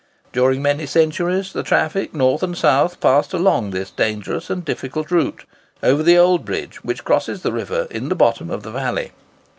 During many centuries the traffic north and south passed along this dangerous and difficult route, over the old bridge which crosses the river in the bottom of the valley.